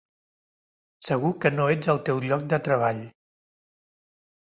Segur que no ets al teu lloc de treball.